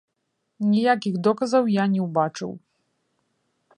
Ніякіх доказаў я не ўбачыў.